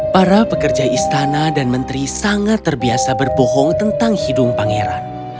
para pekerja istana dan menteri sangat terbiasa berbohong tentang hidung pangeran